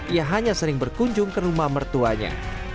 ia hanya sering berkunjung ke rumah mertuanya